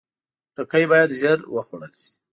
خټکی باید ژر وخوړل شي.